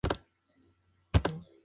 Las obras ya habían empezado.